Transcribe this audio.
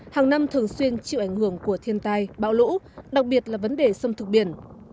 hàng năm thường xuyên chịu ảnh hưởng của thiên tai bão lũ đặc biệt là vấn đề sâm thực biển